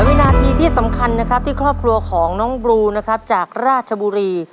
วินาทีที่สำคัญนะครับที่ครอบครัวของน้องบลูนะครับจากราชบุรี